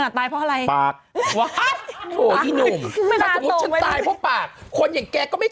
ตายเพราะอะไร